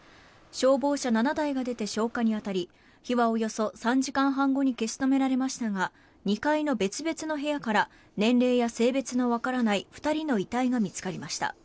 消防車７台が出て消火に当たり火はおよそ３時間半後に消し止められましたが２階の別々の部屋から年齢や性別の分からない２人の遺体が見つかりました。